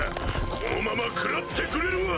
このまま食らってくれるわ！